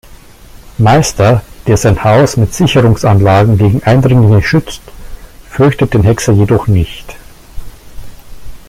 Meister, der sein Haus mit Sicherungsanlagen gegen Eindringlinge schützt, fürchtet den Hexer jedoch nicht.